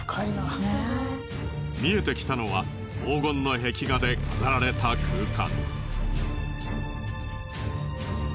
見えてきたのは黄金の壁画で飾られた空間。